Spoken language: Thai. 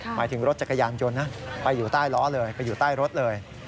หมายถึงรถจักรยานยนต์นะไปอยู่ใต้ล้อเลยไปอยู่ใต้รถเลย